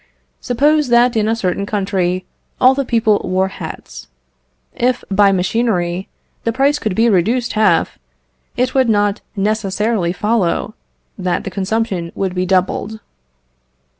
Suppose that in a certain country all the people wore hats. If, by machinery, the price could be reduced half, it would not necessarily follow that the consumption would be doubled.